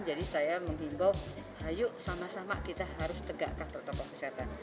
jadi saya mengimbau ayo sama sama kita harus tegakkan protokol kesehatan